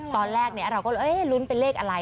ตอนแรกเราก็เลยลุ้นเป็นเลขอะไร